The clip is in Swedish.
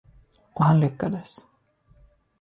Och han lyckades.